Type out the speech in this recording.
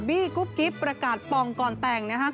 กุ๊บกิ๊บประกาศปองก่อนแต่งนะครับ